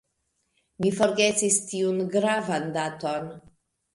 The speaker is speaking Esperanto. Mi forgesis tiun gravan daton.